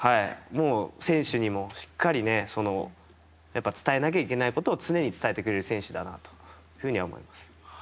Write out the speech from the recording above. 選手にも、しっかり伝えなきゃいけないことを常に伝えてくれる選手だなと思います。